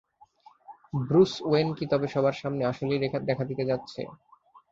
Bruce Wayne কি তবে সবার সামনে আসলেই দেখা দিতে যাচ্ছে?